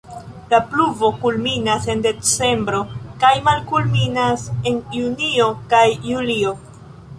La pluvo kulminas en decembro kaj malkulminas en junio kaj julio.